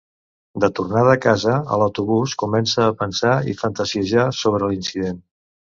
De tornada a casa a l'autobús comença a pensar i fantasiejar sobre l'incident.